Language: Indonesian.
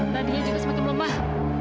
tandinya juga semakin lemah